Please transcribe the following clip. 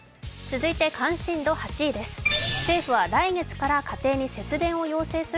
続いて関心度８位です。